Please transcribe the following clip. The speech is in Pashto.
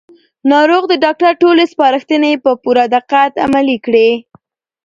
ناروغ د ډاکټر ټولې سپارښتنې په پوره دقت عملي کړې